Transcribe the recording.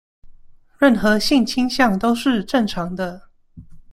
任何性傾向都是正常的